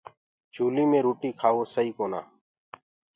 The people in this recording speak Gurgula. چوُلِي مي روٽي کآوو گَلت هي۔